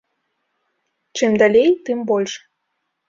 Чым далей, тым больш.